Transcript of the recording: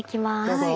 どうぞ。